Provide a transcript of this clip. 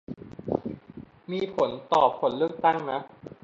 มีผลต่อผลเลือกตั้งนะ